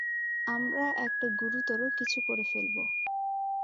আমরা একটা গুরুতর কিছু করে ফেলব।